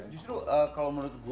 justru kalau menurut gue